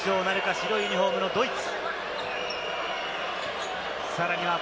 白いユニホームのドイツ。